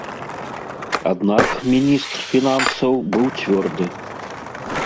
Аднак міністр фінансаў быў цвёрды.